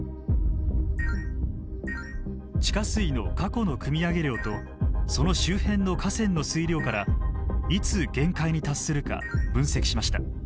地下水の過去のくみ上げ量とその周辺の河川の水量からいつ限界に達するか分析しました。